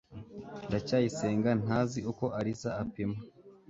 ndacyayisenga ntazi uko alice apima